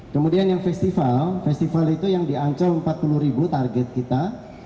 kemudian yang festival festival itu yang diancol empat puluh target kita